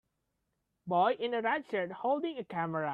Boy in a red shirt holding a camera.